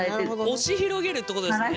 押し広げるってことですね？